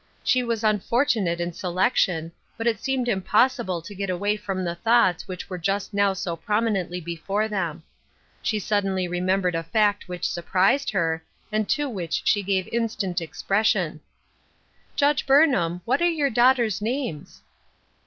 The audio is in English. She was unfortunate in selection, but it seemed impossi ble to get away from the thoughts which were just now so prominently before them. She sud denly remembered a fact which surprised her, and to which she gave instant expression, " Judge Burnham, what are your daughter's names